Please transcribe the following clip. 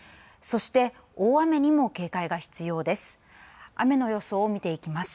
そして、大雨にも警戒が必要です。